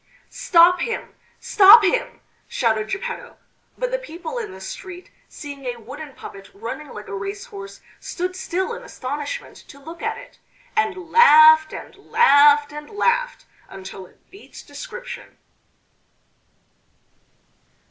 "Stop him! stop him!" shouted Geppetto; but the people in the street, seeing a wooden puppet running like a racehorse stood still in astonishment to look at it, and laughed, and laughed, and laughed, until it beats description....